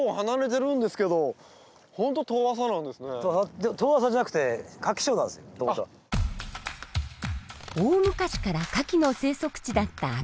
遠浅じゃなくて大昔からカキの生息地だった厚岸。